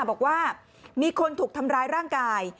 บอกว่ามีคนถูกทำร้ายร่างกาย